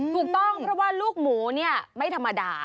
ถูกต้องเพราะว่าลูกหมูเนี่ยไม่ธรรมดา